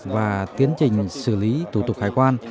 và tiến trình xử lý thủ tục khái quan